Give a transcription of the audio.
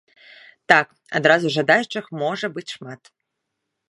Так, адразу жадаючых можа быць шмат.